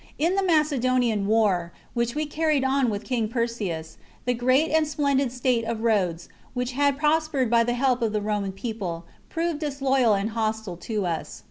In the Macedonian war, which we carried on with King Perseus, the great and splendid State of Rhodes, which had prospered by the help of the Roman people, proved disloyal and hostile to us.